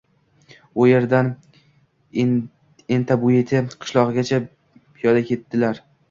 U yerdan Intabuyeti qishlogʻigacha piyoda ketdilar